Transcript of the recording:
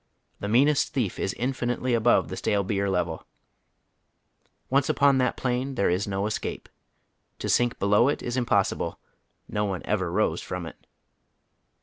The meanest thief is infinitely above the etale beer level. Once upon that plane there is no escape. To sink below it is impossible ; no one ever rose from it.